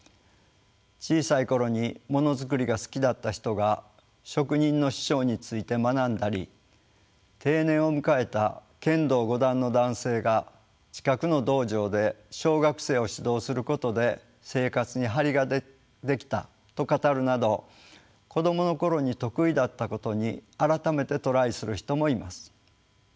小さい頃にモノ作りが好きだった人が職人の師匠について学んだり定年を迎えた剣道五段の男性が近くの道場で小学生を指導することで生活に張りが出来たと語るなど子どもの頃に得意だったことに改めてトライする人もいます。